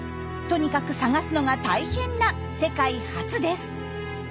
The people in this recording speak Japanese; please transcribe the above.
とにかく探すのが大変な世界初です。